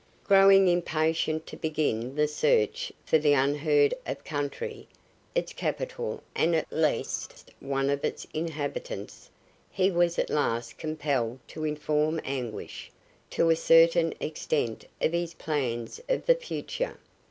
Growing impatient to begin the search for the unheard of country, its capital and at least one of its inhabitants, he was at last compelled to inform Anguish, to a certain extent, of his plans for the future.